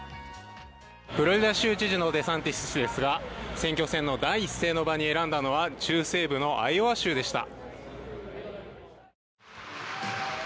フロリダ州知事のデサンティス氏ですが、選挙戦の第一声の場に選んだのは中西部のアイオワ州でした。